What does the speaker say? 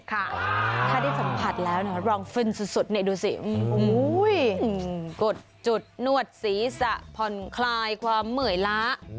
ถ้าได้สัมผัสแล้วลองฟึนสุดดูสิกดจุดนวดศีรษะผ่อนคลายความเหมือยล้า